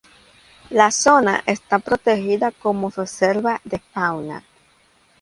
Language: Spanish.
La zona está protegida como reserva de fauna.